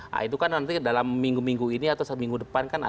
nah itu kan nanti dalam minggu minggu ini atau seminggu depan kan ada